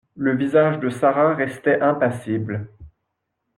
Le visage de Sara restait impassible